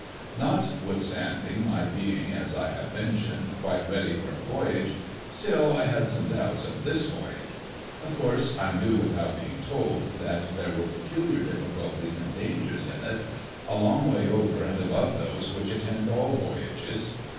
Notwithstanding my being, as I have mentioned, quite ready for a voyage, still I had some doubts of this voyage. Of course I knew, without being told, that there were peculiar difficulties and dangers in it, a long way over and above those which attend all voyages.